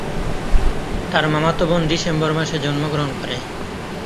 তার মামাতো বোন ডিসেম্বর মাসে জন্মগ্রহণ করে।